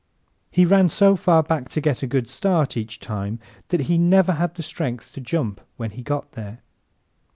He ran so far back to get a good start each time that he never had the strength to jump when he got there.